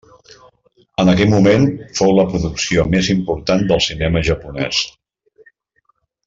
En aquell moment, fou la producció més important del cinema japonès.